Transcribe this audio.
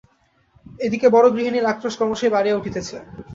এদিকে বড়োগৃহিণীর আক্রোশ ক্রমশই বাড়িয়া উঠিতেছে।